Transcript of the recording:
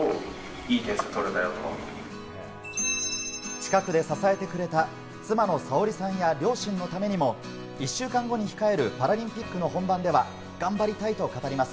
近くで支えてくれた妻の紗欧里さんや両親のためにも、１週間後に控えるパラリンピックの本番では頑張りたいと語ります。